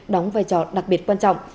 đóng vai trò đặc biệt quan trọng